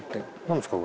何ですか？